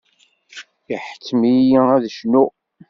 Iḥettem-iyi ad cnuɣ.